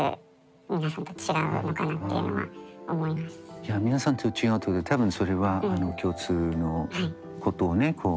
いや皆さんと違うというか多分それは共通のことをね